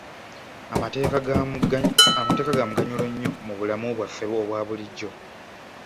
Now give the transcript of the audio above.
Amateeka ga muganyulo mu bulamu bwaffe obwa bulijjo.